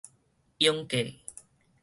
鷹架